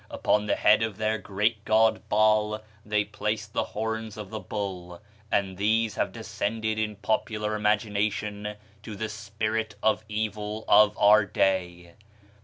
Upon the head of their great god Baal they placed the horns of the bull; and these have descended in popular imagination to the spirit of evil of our day.